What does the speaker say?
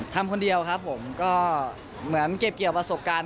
ทำคนเดียวครับผมก็เหมือนเก็บเกี่ยวประสบการณ์